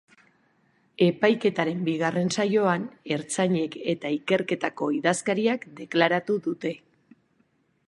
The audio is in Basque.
Epaiketaren bigarren saioan, ertzainek eta ikerketako idazkariak deklaratu dute.